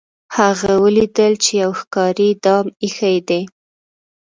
هغه ولیدل چې یو ښکاري دام ایښی دی.